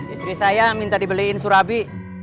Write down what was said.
istri saya minta dibeliin surabi